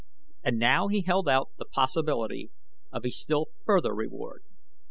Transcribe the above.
And now he held out the possibility of a still further reward.